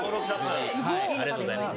ありがとうございます。